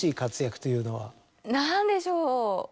何でしょう。